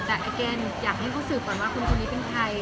แต่อันอีกอยากให้เขาสืบก่อนว่าคนตัวนี้เป็นใคร